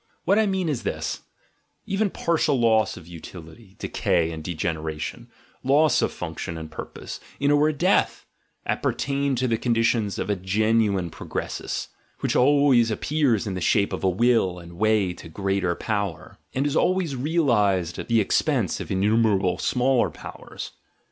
What I mean is this: even partial loss of utility, decay, and degeneration, loss of function and purpose, in a word, death, appertain to the conditions of the genuine progressus; which always appears in the shape of a will and way to greater power, and is always realised at the expense of innumerable smaller powers.